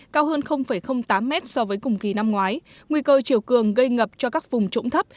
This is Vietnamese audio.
cao hơn tám mét so với cùng kỳ năm ngoái nguy cơ chiều cường gây ngập cho các vùng trũng thấp